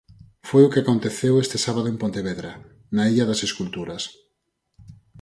Foi o que aconteceu este sábado en Pontevedra, na Illa das Esculturas.